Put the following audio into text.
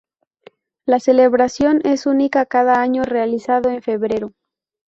La celebración es única cada año, realizado en febrero.